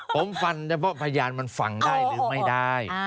ผมฟันเฉพาะพยานมันฟังได้หรือไม่ได้